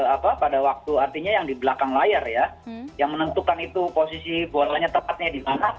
apa pada waktu artinya yang di belakang layar ya yang menentukan itu posisi bolanya tepatnya di mana